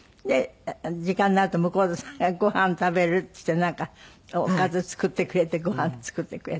時間になると向田さんが「ごはん食べる？」って言ってなんかおかず作ってくれてごはん作ってくれて。